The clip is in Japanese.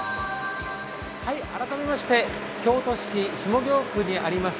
改めまして、京都市下京区にあります